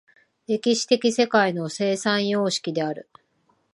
歴史的世界の生産様式である。